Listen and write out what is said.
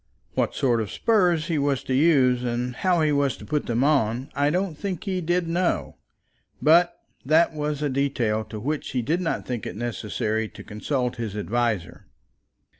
What sort of spurs he was to use, and how he was to put them on, I don't think he did know; but that was a detail as to which he did not think it necessary to consult his adviser.